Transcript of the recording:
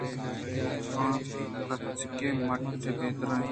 کہ آ تچگءَبے مَٹّءُ بے دروریں